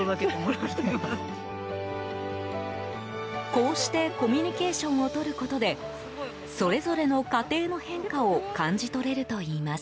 こうしてコミュニケーションを取ることでそれぞれの家庭の変化を感じ取れるといいます。